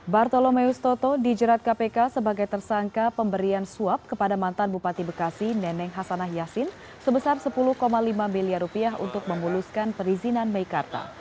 bartolomeus toto dijerat kpk sebagai tersangka pemberian suap kepada mantan bupati bekasi neneng hasanah yassin sebesar sepuluh lima miliar rupiah untuk memuluskan perizinan meikarta